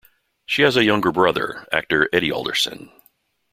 She has a younger brother, actor Eddie Alderson.